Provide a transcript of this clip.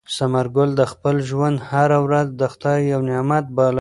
ثمر ګل د خپل ژوند هره ورځ د خدای یو نعمت باله.